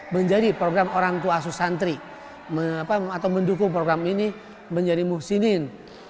menjadi program orangku asus santri atau mendukung program ini menjadi muhsinin